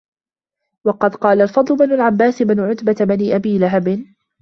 وَقَدْ قَالَ الْفَضْلُ بْنُ الْعَبَّاسِ بْنِ عُتْبَةَ بْنِ أَبِي لَهَبٍ